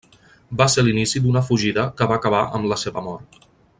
Va ser l'inici d'una fugida que va acabar amb la seva mort.